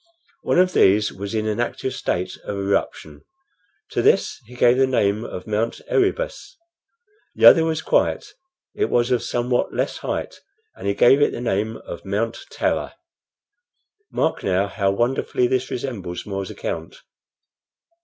One of these was in an active state of eruption. To this he gave the name of Mount Erebus. The other was quiet; it was of somewhat less height, and he gave it the name of Mount Terror. Mark, now, how wonderfully this resembles More's account.